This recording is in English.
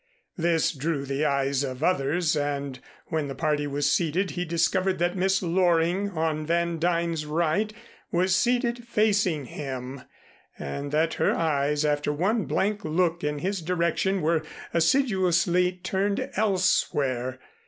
This drew the eyes of others and when the party was seated he discovered that Miss Loring, on Van Duyn's right, was seated facing him and that her eyes after one blank look in his direction were assiduously turned elsewhere.